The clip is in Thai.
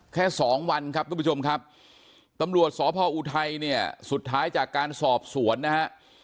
แค่สองวันครับทุกผู้ชมครับตำรวจสพออุทัยเนี่ยสุดท้ายจากการสอบสวนนะฮะ